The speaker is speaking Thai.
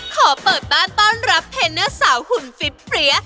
ขอเปิดบ้านต้อนรับเทนเนอร์สาวหุ่นฟิตเปรี้ย